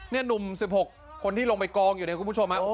เนี่ยหนุ่ม๑๖คนที่ลงไปกองอยู่ในกรุงผู้ชมหา